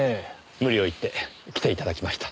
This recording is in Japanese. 無理を言って来ていただきました。